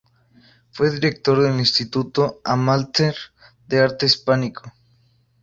Fue director del Instituto Amatller de Arte Hispánico.